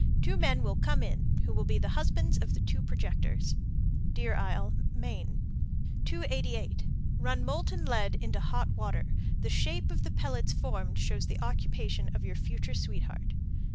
Two men will come in who will be the husbands of the two projectors. Deer Isle, Me. 288. Run molten lead into hot water; the shape of the pellets formed shows the occupation of your future sweetheart.